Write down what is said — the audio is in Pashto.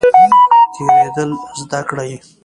تیریدل زده کړئ